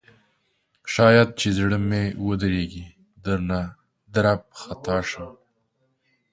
شاید چې زړه مې ودریږي درنه درب خطا شم